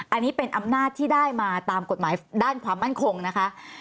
อันนี้เป็นอำนาจที่ได้มาตามกฎหมายด้านความมั่นคงนะคะ